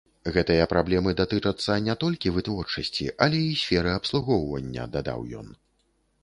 Гэтыя праблемы датычацца не толькі вытворчасці, але і сферы абслугоўвання, дадаў ён.